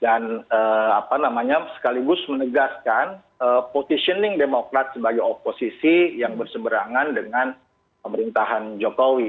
dan sekaligus menegaskan positioning demokrat sebagai oposisi yang berseberangan dengan pemerintahan jokowi